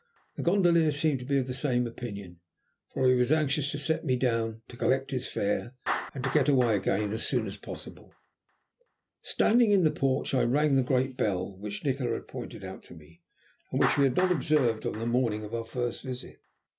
The gondolier seemed to be of the same opinion, for he was anxious to set me down, to collect his fare, and to get away again as soon as possible. Standing in the porch I rang the great bell which Nikola had pointed out to me, and which we had not observed on the morning of our first visit.